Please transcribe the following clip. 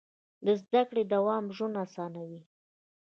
د زده کړې دوام ژوند اسانوي.